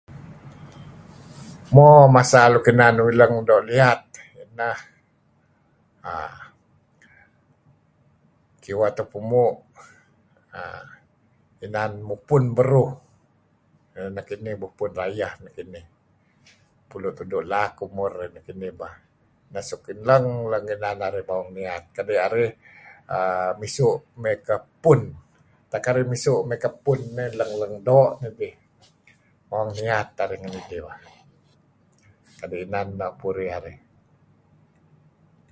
Mo masa nuk inan duih doo' liat uhm piyan kediweh tepemu' uhm inan mupun beruh. Nekin mupun rayeh. Pulu' tudu' laak umur nekinih bah. Neh suk lang-lang inan narih mawang niyat. Kadi' arih misu' kuh pun. Tak arih misu' kuh pun neh lang-lang doo' dih. Mawang niat arih ngidih. Kadi' inan nier dih.